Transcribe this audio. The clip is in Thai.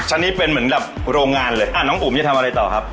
ชั้นนี้เป็นเหมือนกับโรงงานเลยอ่ะน้องอุ๋มจะทำอะไรต่อครับ